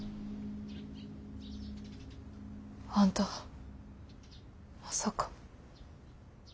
あんたまさか。